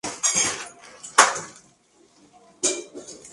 Sur: Ave.